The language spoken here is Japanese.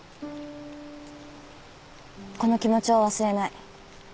この気持ちを忘れない。